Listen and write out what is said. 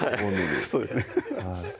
そうですね